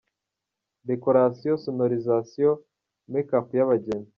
Decoration, Sonorisation, Make up y’abageni ,.